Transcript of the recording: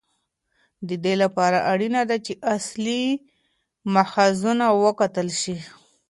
د دې لپاره اړینه ده چې اصلي ماخذونه وکتل شي.